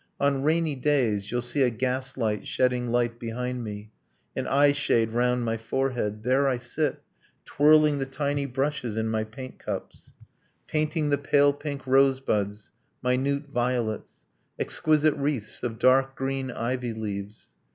On rainy days, You'll see a gas light shedding light behind me An eye shade round my forehead. There I sit, Twirling the tiny brushes in my paint cups, Painting the pale pink rosebuds, minute violets, Exquisite wreaths of dark green ivy leaves.